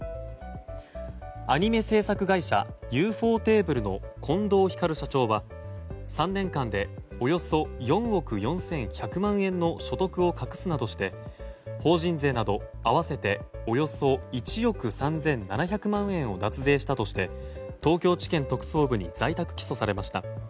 アニメ制作会社ユーフォーテーブルの近藤光社長は、３年間でおよそ４億４１００万円の所得を隠すなどして法人税など合わせておよそ１億３７００万円を脱税したとして東京地検特捜部に在宅起訴されました。